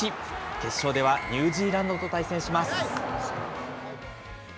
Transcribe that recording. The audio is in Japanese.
決勝ではニュージーランドと対戦します。